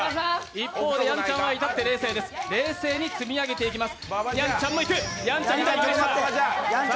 一方でやんちゃんは至って冷静に積み上げていきます。